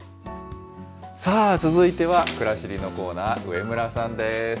さあ、続いてはくらしりのコーナー、上村さんです。